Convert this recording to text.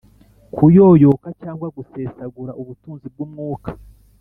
Kuyoyoka cyangwa gusesagura ubutunzi bw'Umwuka,